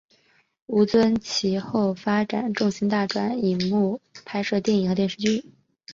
吴尊其后发展重心转战大银幕拍摄电影和电视剧。